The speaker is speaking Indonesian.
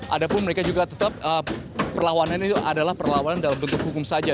adapun mereka juga tetap perlawanan itu adalah perlawanan dalam bentuk hukum saja